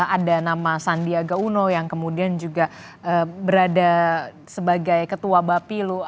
ada nama sandiaga uno yang kemudian juga berada sebagai ketua bapilu